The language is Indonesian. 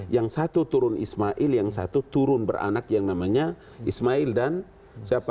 yang satu turun ismail yang satu turun beranak yang namanya ismail dan siapa